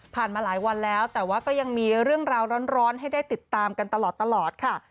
มาหลายวันแล้วแต่ว่าก็ยังมีเรื่องราวร้อนให้ได้ติดตามกันตลอดค่ะ